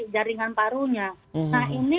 jaringan parunya nah ini